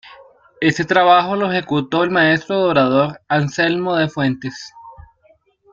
Este trabajo lo ejecutó el maestro dorador Anselmo de Fuentes.